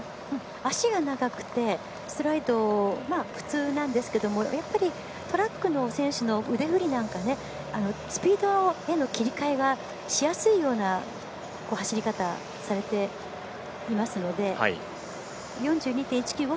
足が長くてストライド、普通なんですけどやっぱりトラックの選手の腕振りなんかスピードへの切り替えがしやすいような走り方をされていますので４２．１９５